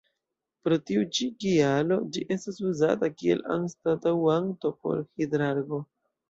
Por tiu ĉi kialo ĝi estas uzata kiel anstataŭanto por Hidrargo.